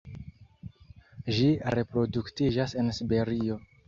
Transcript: Ĝi reproduktiĝas en Siberio.